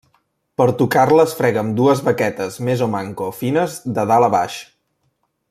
Per tocar-la es frega amb dues baquetes més o manco fines de dalt a baix.